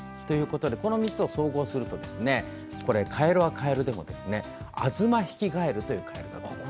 この３つを総合するとカエルはカエルでもアズマヒキガエルというカエルだと思うんです。